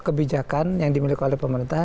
kebijakan yang dimiliki oleh pemerintah